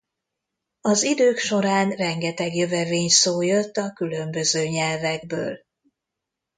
Az idők során rengeteg jövevényszó jött a különböző nyelvekből.